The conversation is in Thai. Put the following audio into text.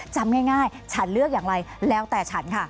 จำง่ายฉันเลือกอย่างไรแล้วแต่ฉันค่ะ